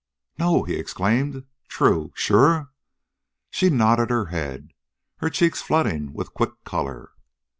"No!" he exclaimed. "True." "Sure?" She nodded her head, her cheeks flooding with quick color.